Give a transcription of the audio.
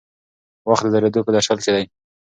وخت د درېدو په درشل کې دی.